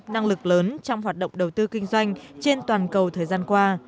năng lực lớn trong hoạt động đầu tư kinh doanh trên toàn cầu thời gian qua